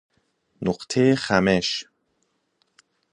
نقطه خمش